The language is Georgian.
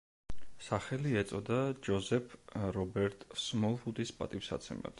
სახელი ეწოდა ჯოზეფ რობერტ სმოლვუდის პატივსაცემად.